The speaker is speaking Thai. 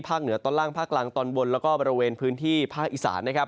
เหนือตอนล่างภาคกลางตอนบนแล้วก็บริเวณพื้นที่ภาคอีสานนะครับ